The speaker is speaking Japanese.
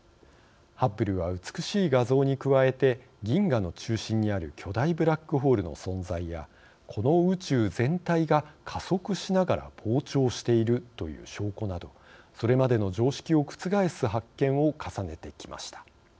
ハッブルは美しい画像に加えて銀河の中心にある巨大ブラックホールの存在やこの宇宙全体が加速しながら膨張しているという証拠などそれまでの常識を覆す発見を重ねてきました。